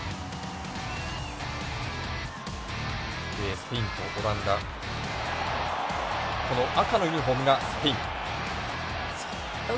スペインとオランダ赤のユニフォームがスペイン。